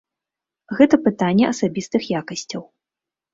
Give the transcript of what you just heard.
Гэта пытанне асабістых якасцяў.